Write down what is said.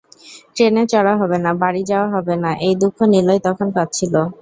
ট্রেনে চড়া হবে না, বাড়ি যাওয়া হবে না—এই দুঃখে নিলয় তখন কাঁদছিল।